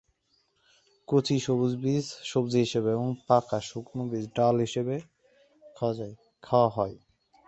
কচি সবুজ বীজ সবজি হিসেবে এবং পাকা শুকনো বীজ ডাল হিসেবে খাওয়া হয়।